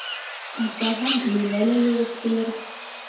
Асаһам, миңә лә йоғоп ҡуйыр.